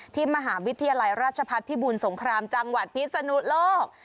ที่มหาวิทยาลัยราชพัฒน์พิบูรสงครามจังหวัดพิศนุโลก